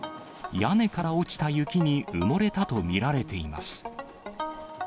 屋根から落ちた雪に埋もれたと見られています。